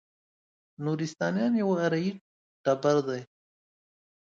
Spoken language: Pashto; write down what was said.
نورستانیان یو اریایي ټبر دی.